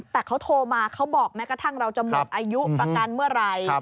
แต่เขาโทรมาเขาบอกแม้กระทั่งเราจะหมดอายุประกันเมื่อไหร่